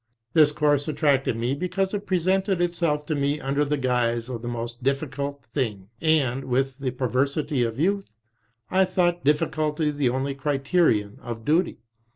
This course attracted me because it presented itself to me under the guise of the most difficult thing, and, with the perversity of youth, I thought difficulty the only crite rion of duty.